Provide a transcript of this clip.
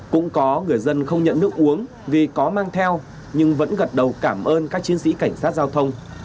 cũng có người dân không nhận nước uống vì có mang theo nhưng vẫn gật đầu cảm ơn các chiến sĩ cảnh sát giao thông